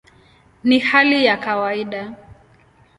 Ni hali ya kawaida".